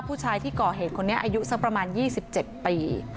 ผู้ชายที่ก่อเหตุคนนี้อายุสักประมาณ๒๗ปี